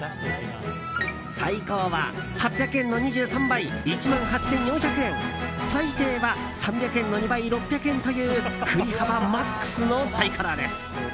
最高は８００円の２３倍１万８４００円最低は３００円の２倍６００円という振り幅マックスのサイコロです。